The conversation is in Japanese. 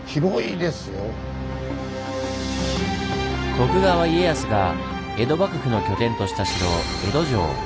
徳川家康が江戸幕府の拠点とした城江戸城！